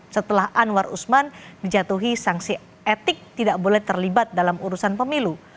setelah anwar usman dijatuhi sanksi etik tidak boleh terlibat dalam urusan pemilu